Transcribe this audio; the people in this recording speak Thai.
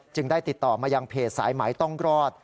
ได้ติดต่อมายังเพจสายไหมต้องรอด